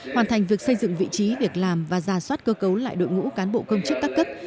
hoàn thành việc xây dựng vị trí việc làm và giả soát cơ cấu lại đội ngũ cán bộ công chức các cấp